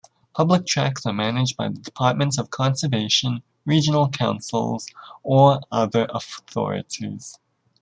Public tracks are managed by the Department of Conservation, Regional Councils or other authorities.